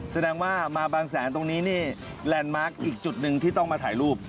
แสดงว่ามาบางแสนตรงนี้นี่แลนด์มาร์คอีกจุดหนึ่งที่ต้องมาถ่ายรูป